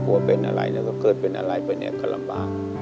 กลัวเป็นอะไรก็เกิดเป็นอะไรไปเนี่ยกลำบาล